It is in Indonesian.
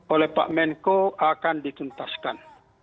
oleh pak menko akan dituntaskan